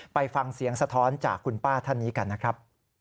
ไปฟังเสียงสะท้อนจากคุณป้าท่านนี้กันนะครับ